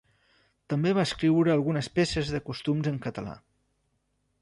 També va escriure algunes peces de costums en català.